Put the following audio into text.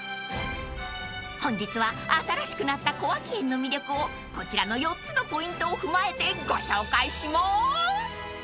［本日は新しくなった小涌園の魅力をこちらの４つのポイントを踏まえてご紹介しまーす］